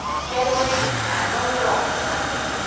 "Getaway, I know you're up to something.